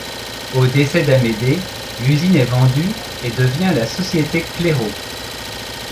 Au décès d'Amédée, l'usine est vendue et devient la société Cléro.